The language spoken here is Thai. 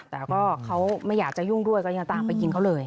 แต่ก็เขาไม่อยากจะยุ่งด้วยก็ยังตามไปยิงเขาเลย